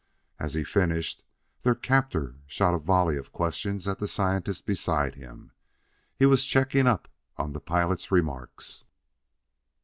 As he finished, their captor shot a volley of questions at the scientist beside him; he was checking up on the pilot's remarks.